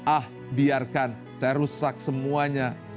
ah biarkan saya rusak semuanya